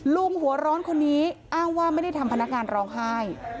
ลุงหัวร้อนคนนี้อ้างว่าไม่ได้ทำพนักงานร้องไห้